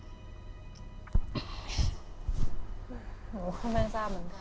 ไม่ทราบเหมือนกัน